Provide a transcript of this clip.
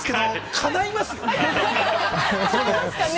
◆かないますかね。